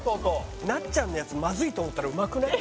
なっちゃんのやつまずいと思ったらうまくない？